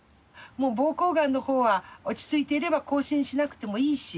もう膀胱がんのほうは落ち着いていれば更新しなくてもいいし。